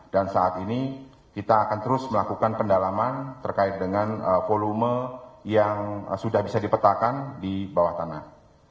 dan saat ini kita akan terus melakukan pendalaman terkait dengan volume yang sudah bisa dipetakan di bawah tanah